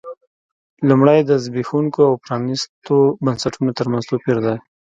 لومړی د زبېښونکو او پرانیستو بنسټونو ترمنځ توپیر دی.